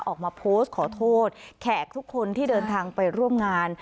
ออกมาโพสต์ขอโทษแขกทุกคนที่เดินทางไปร่วมงาน